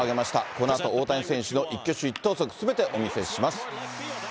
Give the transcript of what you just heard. このあと大谷選手の一挙手一投足すべてお見せします。